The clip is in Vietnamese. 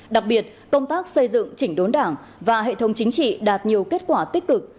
đặc biệt công tác xây dựng chỉnh đốn đảng và hệ thống chính trị đạt nhiều kết quả tích cực